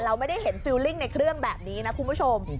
เราไม่ได้เห็นฟิลลิ่งในเครื่องแบบนี้นะคุณผู้ชม